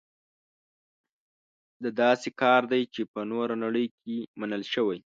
دا داسې کار دی چې په نوره نړۍ کې منل شوی.